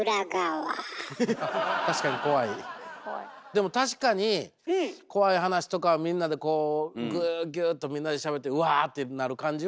でも確かに怖い話とかみんなでこうぐっぎゅっとみんなでしゃべってうわ！ってなる感じは。